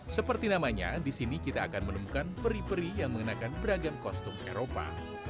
seperti namanya di sini kita akan menemukan peri peri yang mengenakan beragam kostum eropa